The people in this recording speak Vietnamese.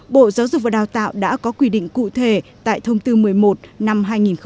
bộ giáo dục và đào tạo đã có quy định cụ thể tại thông tư một mươi một năm hai nghìn một mươi bảy